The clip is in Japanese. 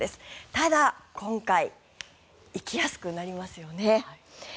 ただ、今回行きやすくなりますよね。